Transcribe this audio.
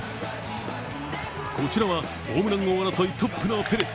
こちらはホームラン王争いトップのペレス。